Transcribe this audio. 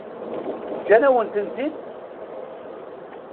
Ǧǧan-awen-tent-id.